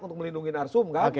untuk melindungi narsum kan